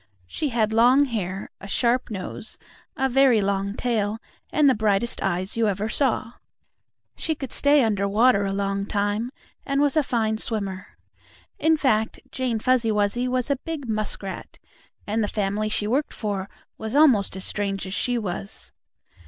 She had long hair, a sharp nose, a very long tail and the brightest eyes you ever saw. She could stay under water a long time, and was a fine swimmer. In fact, Jane Fuzzy Wuzzy was a big muskrat, and the family she worked for was almost as strange as she was.